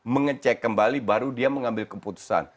mengecek kembali baru dia mengambil keputusan